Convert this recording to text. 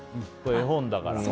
絵本だから。